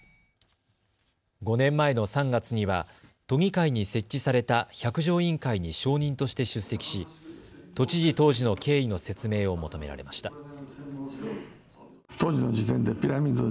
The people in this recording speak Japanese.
５年前の３月には都議会に設置された百条委員会に証人として出席し都知事当時の経緯の説明を求められました。